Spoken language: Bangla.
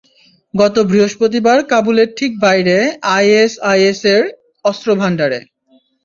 গত বৃহস্পতিবার কাবুলের ঠিক বাইরে আইএসআইএসের অস্ত্র ভান্ডারে।